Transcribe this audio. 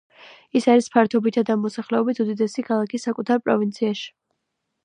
ის არის ფართობითა და მოსახლეობით უდიდესი ქალაქი საკუთარ პროვინციაში.